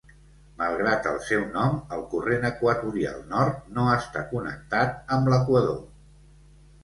Malgrat el seu nom, el corrent equatorial nord no està connectat amb l'equador.